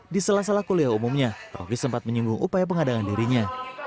di sela sela kuliah umumnya rocky sempat menyinggung upaya pengadangan dirinya